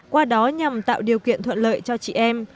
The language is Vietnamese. qua đó nhằm tạo điều kiện thuận lợi cho chị em